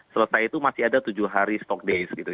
selesai itu masih ada tujuh hari stock days gitu